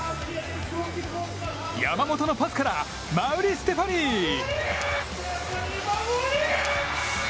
山本のパスから馬瓜ステファニー！